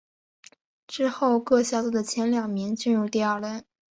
之后各小组的前两名进入第二轮。